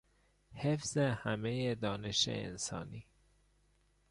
حفظ همهی دانش انسانی